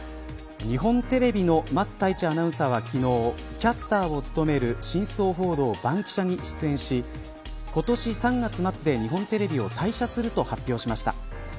日本テレビの桝太一アナウンサーは昨日キャスターを務める真相報道バンキシャに出演し今年３月末で日本テレビを退社すると発表しました。